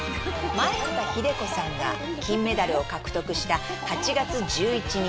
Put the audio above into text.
前畑秀子さんが金メダルを獲得した８月１１日。